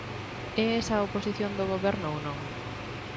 ¿É esa a oposición do Goberno ou non?